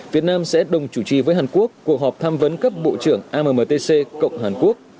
việt nam sẽ đồng chủ trì với hàn quốc cuộc họp tham vấn cấp bộ trưởng ammtc cộng hàn quốc